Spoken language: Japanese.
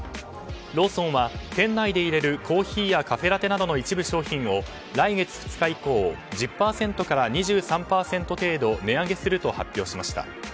ローソンは店内でいれるコーヒーやカフェラテなどの一部商品を来月２日以降１０％から２３％程度値上げすると発表しました。